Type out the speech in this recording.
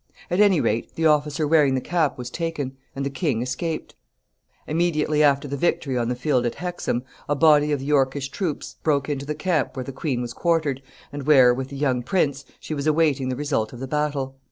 At any rate, the officer wearing the cap was taken, and the king escaped. [Sidenote: The queen's danger.] Immediately after the victory on the field at Hexham, a body of the Yorkist troops broke into the camp where the queen was quartered, and where, with the young prince, she was awaiting the result of the battle.